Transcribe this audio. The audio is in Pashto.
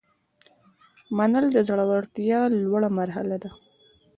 منل د زړورتیا لوړه مرحله ده.